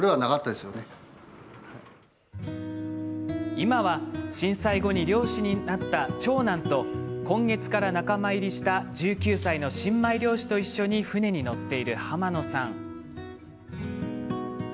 今は震災後に漁師になった長男と今月から仲間入りした１９歳の新米漁師と一緒に船に乗っている濱野さん。